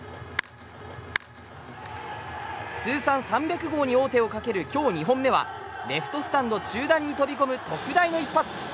通算３００号に王手をかける今日２本目はレフトスタンド中段に飛び込む特大の一発。